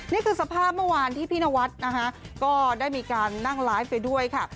นี่คือสภาพเมื่อวานที่พี่นวัดนะคะก็ได้มีการนั่งไลฟ์ไปด้วยค่ะ